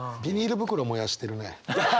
袋燃やしてるね。